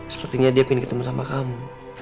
sepertinya dia ingin ketemu sama kamu